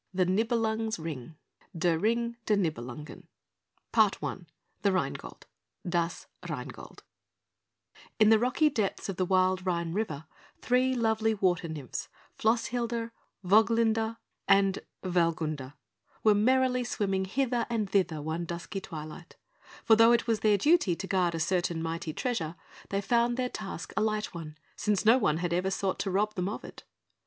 THE NIBELUNGS' RING (Der Ring der Nibelungen) PART I THE RHINEGOLD (Das Rheingold) In the rocky depths of the wild Rhine river three lovely water nymphs Flosshildr, Woglinda, and Wellgunda were merrily swimming hither and thither one dusky twilight; for though it was their duty to guard a certain mighty treasure, they found their task a light one, since no one had ever sought to rob them of it.